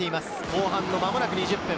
後半、間もなく２０分。